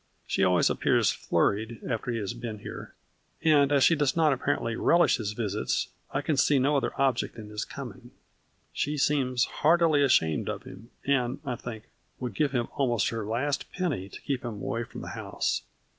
She always appears flurried after he has been here, and as she does not apparently relish his visits, I can see no other object in his coming. She seems heartily ashamed of him, and, I think, would give him almost her last penny to keep him away from the house.